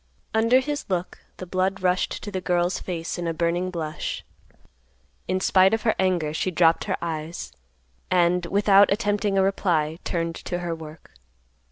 Under his look, the blood rushed to the girl's face in a burning blush. In spite of her anger she dropped her eyes, and, without attempting a reply, turned to her work.